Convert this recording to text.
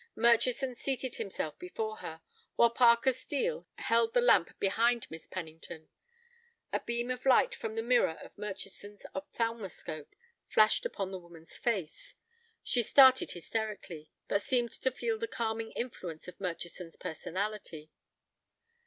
Murchison seated himself before her, while Parker Steel held the lamp behind Miss Pennington. A beam of light from the mirror of Murchison's ophthalmoscope flashed upon the woman's face. She started hysterically, but seemed to feel the calming influence of Murchison's personality.